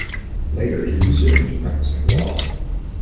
Later he resumed practicing law.